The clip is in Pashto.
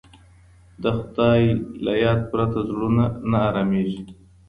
د خدای له یاد پرته زړونه نه ارامیږي.